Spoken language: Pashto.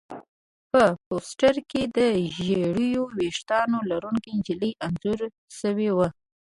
په پوسټر کې د ژېړو ویښتانو لرونکې نجلۍ انځور شوی و